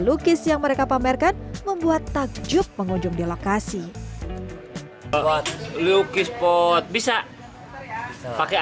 lukis yang mereka pamerkan membuat takjub mengunjungi lokasi buat lukis pot bisa pakai